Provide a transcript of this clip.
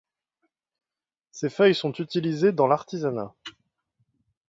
Ses feuilles sont utilisées dans l'artisanat.